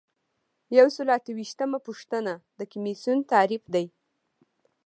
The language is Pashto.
یو سل او اته ویشتمه پوښتنه د کمیسیون تعریف دی.